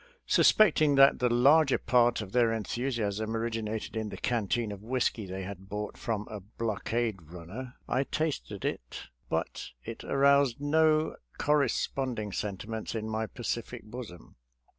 Suspect ing that the larger part of their enthusiasm originated in the canteen of whisky they bought from a blockade runner, I tasted it, but it aroused no corresponding sentiments in my pa cific bosom.